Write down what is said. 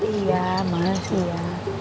iya masih ya